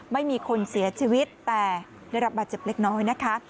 ไม่มีคนเสียชีวิตแต่ได้รับบาดเจ็บเล็กน้อยนะคะ